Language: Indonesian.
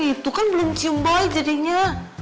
itu kan belum cium bayi jadinya